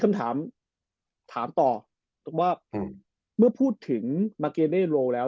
คำถามถามต่อตรงว่าเมื่อพูดถึงมาเกเนโรแล้ว